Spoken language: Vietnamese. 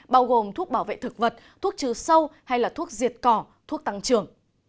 bao gồm thuốc bảo vệ thực vật thuốc trừ sâu hay thuốc diệt cỏ thuốc tăng trường